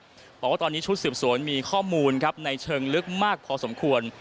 เพราะว่าตอนนี้ชุดเสริมสวนมีข้อมูลในเชิงลึกมากพอสมควร